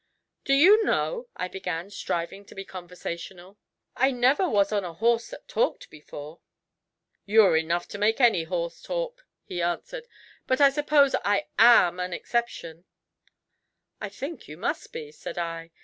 'Do you know,' I began, striving to be conversational, 'I never was on a horse that talked before.' 'You are enough to make any horse talk,' he answered; 'but I suppose I am an exception.' 'I think you must be,' said I.